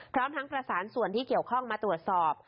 พร้อมทั้งประสานส่วนที่เกี่ยวข้องมาตรวจสอบ